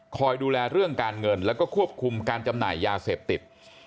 คอยดูแลเรื่องการเงินแล้วก็ควบคุมการจำหน่ายยาเสพติด